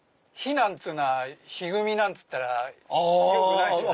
なんつうのはひ組なんつったらよくないじゃない。